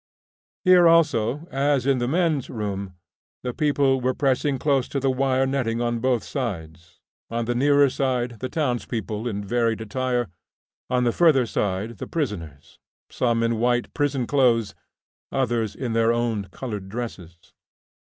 Here also, as in the men's room, the people were pressing close to the wire netting on both sides; on the nearer side, the townspeople in varied attire; on the further side, the prisoners, some in white prison clothes, others in their own coloured dresses.